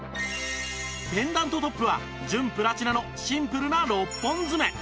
ペンダントトップは純プラチナのシンプルな６本爪